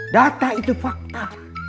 data itu fakta